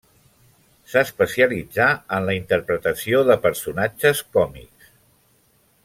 S'especialitzà en la interpretació de personatges còmics.